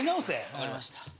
分かりました。